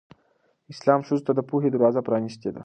اسلام ښځو ته د پوهې دروازه پرانستې ده.